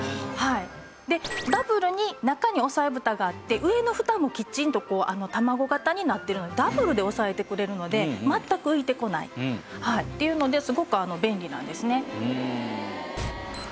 ダブルに中に押さえブタがあって上のフタもきちんとたまご型になってるのでダブルで押さえてくれるので全く浮いてこないっていうのですごく便利なんですね。